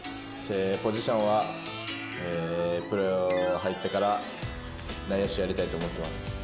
ポジションはプロ入ってから内野手やりたいと思ってます。